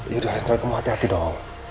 yaudah ayo kamu hati hati dong